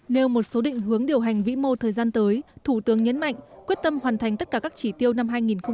nêu một số định hướng điều hành vĩ mô thời gian tới thủ tướng nhấn mạnh quyết tâm hoàn thành tất cả các chỉ tiêu năm hai nghìn hai mươi